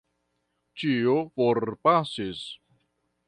Ĉio forpasis.